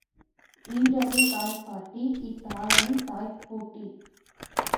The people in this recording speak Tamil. ஈன்றவள் தாய் பாட்டி இத் தாயியின் தாய் பூட்டி.